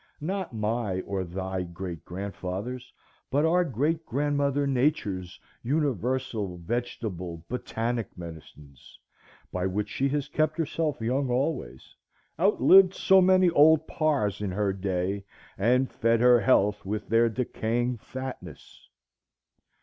Not my or thy great grandfather's, but our great grandmother Nature's universal, vegetable, botanic medicines, by which she has kept herself young always, outlived so many old Parrs in her day, and fed her health with their decaying fatness.